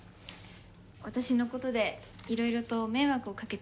私の事でいろいろと迷惑をかけてるので。